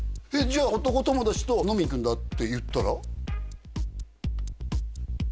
じゃあ男友達と飲みに行くんだって言ったら？